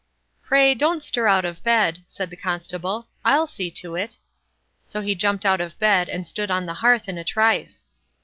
"Pray, don't stir out of bed", said the Constable; "I'll see to it." So he jumped out of bed, and stood on the hearth in a trice.